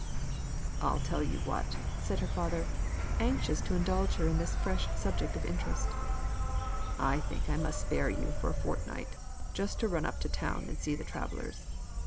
"I'll tell you what," said her father, anxious to indulge her in this fresh subject of interest, "I think I must spare you for a fortnight just to run up to town and see the travellers.